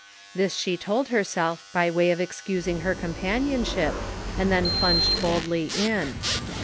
This she told herself by way of excusing her championship, and then plunged boldly in.